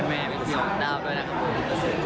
แม่ไปเกี่ยวของดาวด้วยนะครับผม